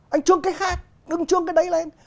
anh trương cái khác đừng trương cái đấy lên